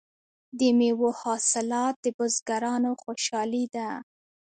د میوو حاصلات د بزګرانو خوشحالي ده.